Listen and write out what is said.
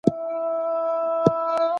موږ پر تخته ليکل کوو.